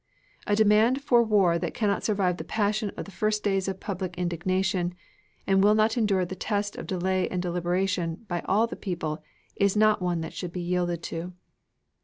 "A demand for war that cannot survive the passion of the first days of public indignation and will not endure the test of delay and deliberation by all the people is not one that should be yielded to."